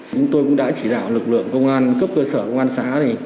chúng tôi cũng đã chỉ đạo lực lượng công an cấp cơ sở công an xã